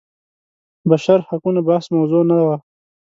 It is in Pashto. بشر حقونه بحث موضوع نه وه.